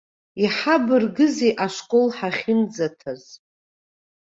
Иҳабыргызеи ашкол ҳахьынӡаҭаз.